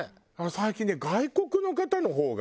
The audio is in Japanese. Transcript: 最近ね外国の方のほうが。